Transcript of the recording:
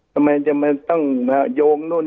ทำไมจะมาต้องโยงนู่น